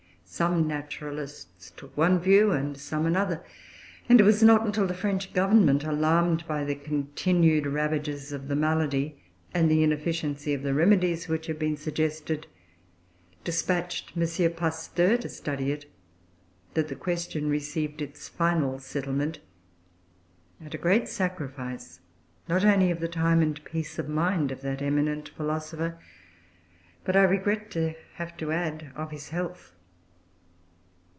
Some naturalists took one view and some another; and it was not until the French Government, alarmed by the continued ravages of the malady, and the inefficiency of the remedies which had been suggested, despatched M. Pasteur to study it, that the question received its final settlement; at a great sacrifice, not only of the time and peace of mind of that eminent philosopher, but, I regret to have to add, of his health.